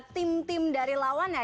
tim tim dari lawan ya